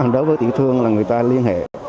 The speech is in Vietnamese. đối với tự thương là người ta liên hệ